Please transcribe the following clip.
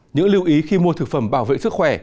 những lưu ý khi mua thực phẩm bảo vệ sức khỏe